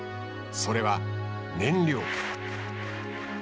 それは燃料。